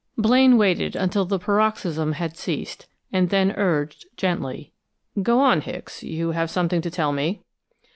Blaine waited until the paroxysm had ceased, and then urged, gently: "Go on, Hicks. You have something to tell me?"